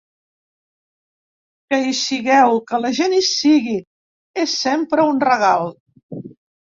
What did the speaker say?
Que hi sigueu, que la gent hi sigui, és sempre un regal.